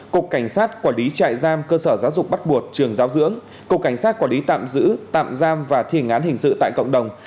cục cảnh sát quản lý trại giam cơ sở giáo dục bắt buộc trường giáo dưỡng cục cảnh sát quản lý tạm giữ tạm giam và thi hành án hình sự tại cộng đồng